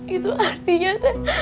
itu artinya teh